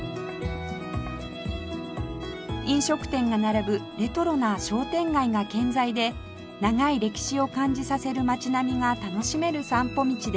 飲食店が並ぶレトロな商店街が健在で長い歴史を感じさせる街並みが楽しめる散歩道です